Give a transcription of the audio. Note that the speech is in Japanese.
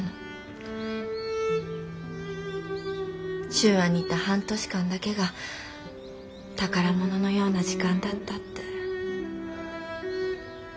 修和にいた半年間だけが宝物のような時間だったって。